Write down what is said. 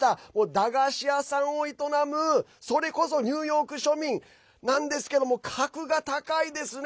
駄菓子屋さんを営むそれこそニューヨーク庶民なんですけども格が高いですね。